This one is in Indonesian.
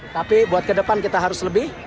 tapi buat ke depan kita harus lebih